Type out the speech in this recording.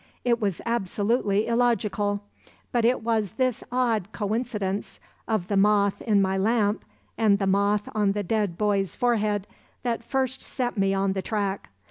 It was absolutely illogical; but it was this odd 'coincidence' of the moth in my lamp and the moth on the dead boy's forehead that first set me on the track.